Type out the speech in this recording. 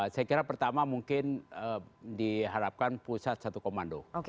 saya kira pertama mungkin diharapkan pusat satu komando